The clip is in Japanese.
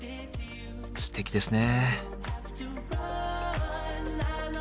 すてきですね。